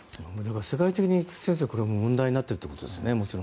世界的な問題になっているということですね。